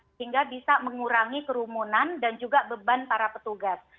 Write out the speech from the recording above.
sehingga bisa mengurangi kerumunan dan juga beban para petugas